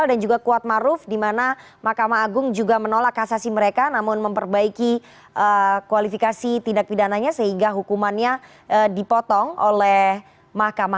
dan juga kuatmaruf dimana ma juga menolak kasasi mereka namun memperbaiki kualifikasi tindak pidananya sehingga hukumannya dipotong oleh ma